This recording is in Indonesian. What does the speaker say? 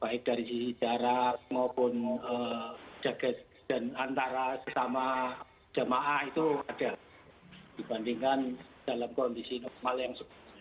baik dari sisi jarak maupun jagad dan antara sesama jamaah itu ada dibandingkan dalam kondisi normal yang sebelumnya